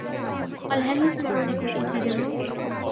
قَالَ هَلْ يَسْمَعُونَكُمْ إِذْ تَدْعُونَ